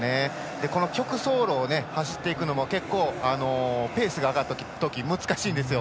この曲走路を走っていくのもペースが上がったとき難しいんですよ。